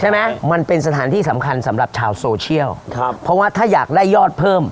มันเป็นสถานที่สำคัญสำหรับชาวโซเชียลครับเพราะว่าถ้าอยากได้ยอดเพิ่ม